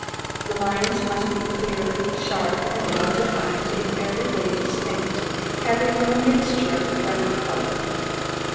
The lines must be clear, sharp, and well defined, in every way distinct, having no mixture of the ground colour.